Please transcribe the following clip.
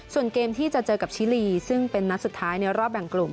ส่วนเกมที่จะเจอกับชิลีซึ่งเป็นนัดสุดท้ายในรอบแบ่งกลุ่ม